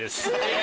え！